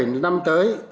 trong năm tới